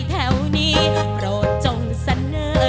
ไม่ใช้